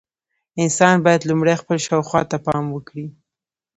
انسان باید لومړی خپل شاوخوا ته پام وکړي.